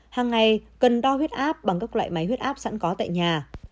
hàng ngày cần đo huyết áp bằng các loại máy huyết áp sẵn có tại nhà